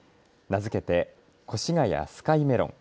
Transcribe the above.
名付けて越谷スカイメロン。